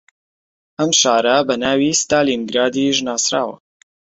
ئەم شارە بە ناوی ستالینگرادیش ناسراوە